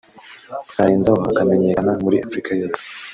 akanarenzaho akamenyekana muri Afurika yose